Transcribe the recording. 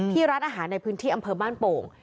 ร้านอาหารในพื้นที่อำเภอบ้านโป่ง